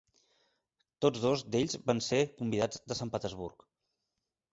Tots dos d'ells van ser convidats de Sant Petersburg.